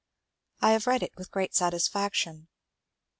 I have read it with great satisfaction.